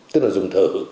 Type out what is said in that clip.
tức là dùng thử